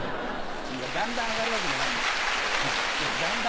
だんだん上がるわけじゃない。